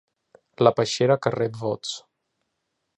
La peixera que rep vots.